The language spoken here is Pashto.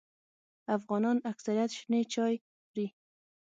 افغانان اکثریت شنې چای خوري